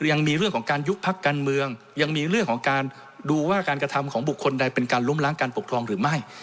ยังมีเรื่องของการยุบพักการเมืองยังมีเรื่องของการดูว่าการกระทำของบุคคลใดเป็นการล้มล้างการปกครองหรือไม่